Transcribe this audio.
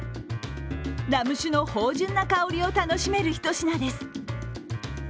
ラム酒の芳じゅんな香りを楽しめるひと品です。